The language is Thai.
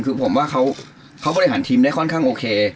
คือผมว่าเขาบริหารทีมได้ค่อนข้างโอเค